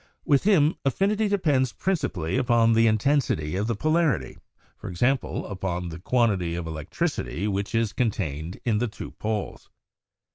With him, affinity depends princi pally upon the intensity of the polarity — i.e., upon the quantity of electricity which is contained in the two poles."